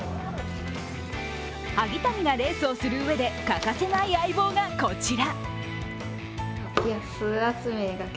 萩谷がレースをするうえで欠かせない相棒がこちら。